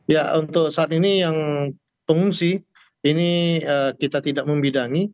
ya untuk saat ini yang pengungsi ini kita tidak membidangi